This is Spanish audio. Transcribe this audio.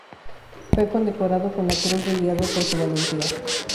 Fue condecorado con la Cruz de Hierro por su valentía.